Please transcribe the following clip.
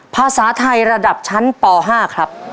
ภาษาไทยระดับชั้นป๕ครับ